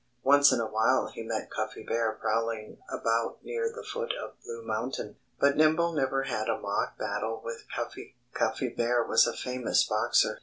Once in a while he met Cuffy Bear prowling about near the foot of Blue Mountain. But Nimble never had a mock battle with Cuffy. Cuffy Bear was a famous boxer.